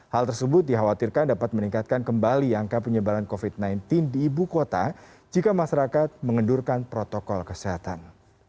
hal tersebut dikhawatirkan dapat meningkatkan kembali angka penyebaran covid sembilan belas di ibu kota jika masyarakat mengendurkan protokol kesehatan